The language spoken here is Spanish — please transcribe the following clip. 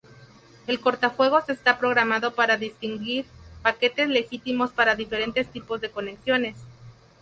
El cortafuegos está programado para distinguir paquetes legítimos para diferentes tipos de conexiones.